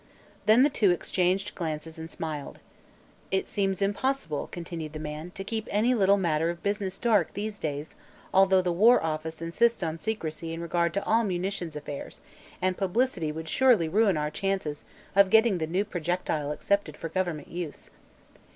Then the two exchanged glances and smiled. "It seems impossible," continued the man, "to keep any little matter of business dark, these days, although the war office insists on secrecy in regard to all munitions affairs and publicity would surely ruin our chances of getting the new projectile accepted for government use."